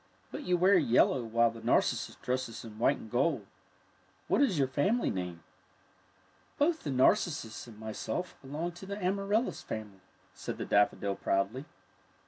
But you wear yellow while the narcissus dresses in white and gold. What is your family name? "Both the narcissus and myself belong to the amaryllis family," said the daffodil, proudly.